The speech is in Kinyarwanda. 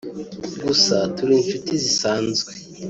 gusa turi inshuti zisanzwe